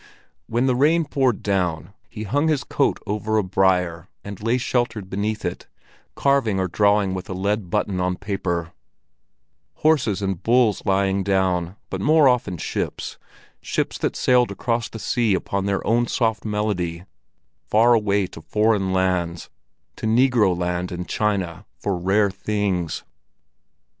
When the rain poured down, he hung his coat over a briar and lay sheltered beneath it, carving or drawing with a lead button on paper—horses, and bulls lying down, but more often ships, ships that sailed across the sea upon their own soft melody, far away to foreign lands, to Negroland and China, for rare things.